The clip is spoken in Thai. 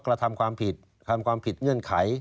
กระทำความผิดเงื่อนไข